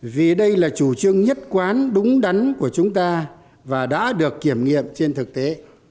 vì đây là chủ trương nhất quán đúng đắn của chúng ta và đã được kiểm nghiệm trên thực tế